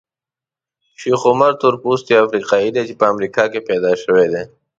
شیخ عمر تورپوستی افریقایي دی چې په امریکا کې پیدا شوی دی.